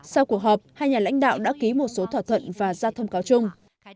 sau cuộc họp hai nhà lãnh đạo đã ký một số thỏa thuận và ra thông cáo chung